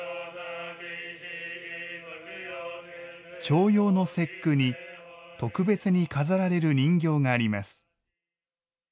重陽の節句に、特別に飾られる人形があります。